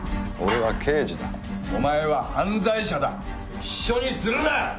俺は刑事だお前は犯罪者だ一緒にするな！